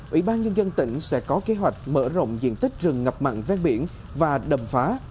ủy ban nhân dân tỉnh sẽ có kế hoạch mở rộng diện tích rừng ngập mặn ven biển và đầm phá